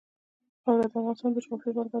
خاوره د افغانستان د جغرافیې بېلګه ده.